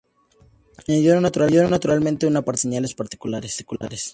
Añadió naturalmente un apartado para las señales particulares.